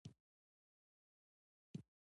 تاج څښتنان را وپرزوي.